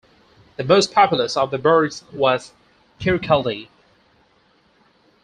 The most populous of the burghs was Kirkcaldy.